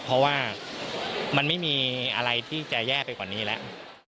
เพราะว่ามันไม่มีอะไรที่จะแย่ไปกว่านี้แล้ว